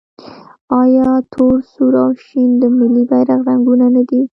آیا تور، سور او شین د ملي بیرغ رنګونه نه دي؟